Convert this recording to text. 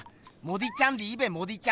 モディちゃん